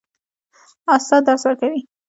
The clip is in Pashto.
استاد درس ورکوي.